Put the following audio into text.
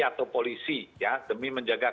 atau polisi ya demi menjaga